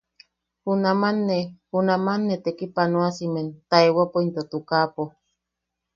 Junaman ne, junaman ne tekipanoasimen taewapo into tukapo.